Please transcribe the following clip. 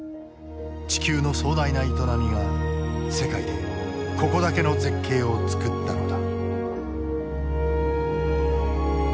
地球の壮大な営みが世界でここだけの絶景を作ったのだ。